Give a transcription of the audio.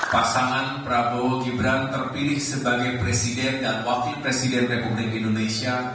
pasangan prabowo gibran terpilih sebagai presiden dan wakil presiden republik indonesia